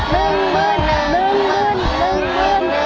หนึ่งหมื่นหนึ่งหมื่น